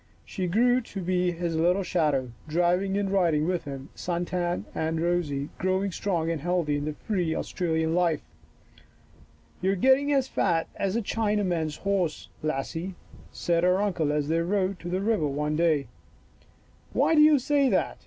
She grew to be his little shadow, driving and riding with him, sun tanned and rosy, growing strong and healthy in the free Australian life. " You are getting as fat as a Chinaman's 60 Lost!" 6 1 horse, lassie," said her uncle as they rode to the river one day. " Why do you say that?